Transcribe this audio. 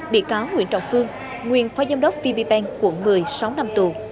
bị cáo nguyễn trọng phương nguyễn phó giám đốc vp banh quận một mươi sáu năm tù